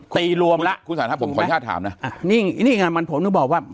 ตีรวมแล้วคุณสาธาผมขออนุญาตถามนะนี่นี่ไงมันผมถึงบอกว่า